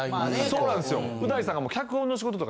そうなんですよ。